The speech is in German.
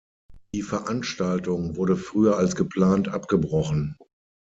Die Veranstaltung wurde früher als geplant abgebrochen.